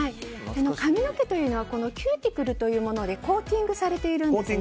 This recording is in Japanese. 髪の毛というのはキューティクルというものでコーティングされているんです。